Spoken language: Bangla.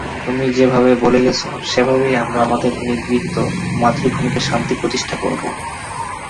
তুমি যেভাবে বলে গেছ, সেভাবেই আমরা আমাদের নিগৃহীত মাতৃভূমিতে শান্তি প্রতিষ্ঠা করব।